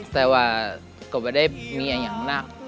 แต่ว่าก็ไม่ได้เมียอย่างหนัก